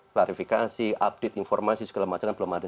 klarifikasi update informasi segala macam kan belum ada